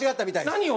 何を？